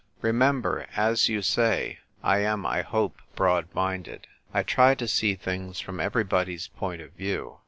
Remember, as you say, I am (I hope) broad minded. I try to sec tilings from everybody's point of view.